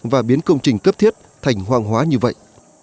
và biến công trình cấp thiết thành hoàng hóa như vậy